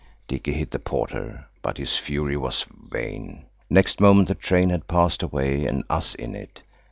Dicky hit the porter, but his fury was vain. Next moment the train had passed away, and us in it.